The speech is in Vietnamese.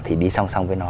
thì đi song song với nó